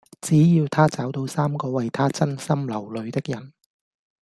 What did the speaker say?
只要她找到三個為她真心流淚的人